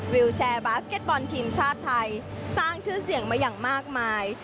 วิวแชร์บาสเก็ตบอลทีมชาติไทยสร้างชื่อเสียงมาอย่างมากมาย